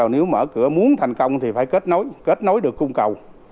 nếu mở cửa muốn thành công thì phải kết nối kết nối được cung cầu